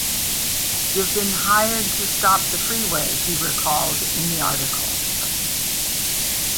'You've been hired to stop the freeway,' he recalled in the article.